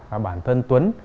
và bản thân tuấn